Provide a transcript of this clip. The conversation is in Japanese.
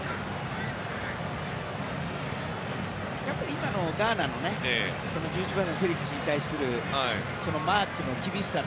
今のガーナの１１番のフェリックスに対するマークの厳しさ。